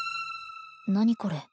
何これ？